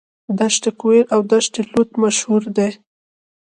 دشت کویر او دشت لوت مشهورې دي.